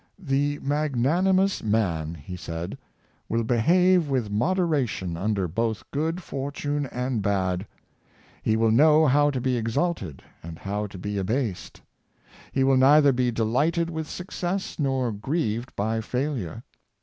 " The magnanimous man," he said, " will behave with moderation under both good fortune and bad. He will know how to be exalted and how to be abased. He will neither be delighted with success nor grieved by failure.